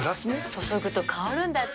注ぐと香るんだって。